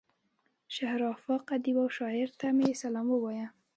شهره آفاق ادیب او شاعر ته مې سلام ووايه.